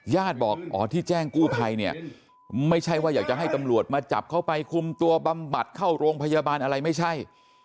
บอกอ๋อที่แจ้งกู้ภัยเนี่ยไม่ใช่ว่าอยากจะให้ตำรวจมาจับเข้าไปคุมตัวบำบัดเข้าโรงพยาบาลอะไรไม่ใช่